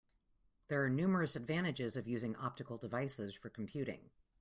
There are numerous advantages of using optical devices for computing.